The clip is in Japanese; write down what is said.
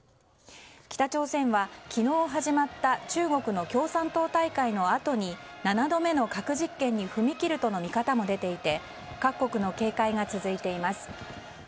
北朝鮮は昨日始まった中国の共産党大会のあとに７度目の核実験に踏み切るとの見方も出ていて各国の警戒が続いています。